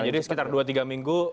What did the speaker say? jadi sekitar dua tiga minggu